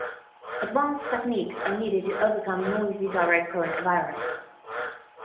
Advanced techniques are needed to overcome noisy direct current environments.